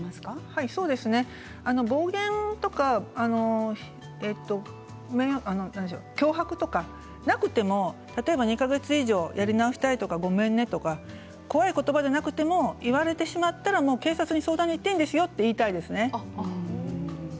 暴言とか強迫とかそういうものがなくても２か月以上やり直したいとかごめんねとか怖い言葉でなくても言われてしまったら警察に相談に行っていいんですよと言いたいですね。